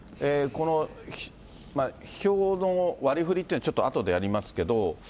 この票の割りふりっていうのはちょっとあとでやりますけれども。